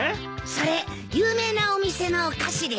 それ有名なお店のお菓子でしょ？